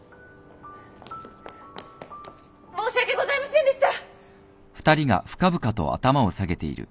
申し訳ございませんでした。